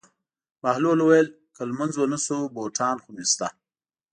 بهلول وویل: که لمونځ ونه شو بوټان خو مې شته.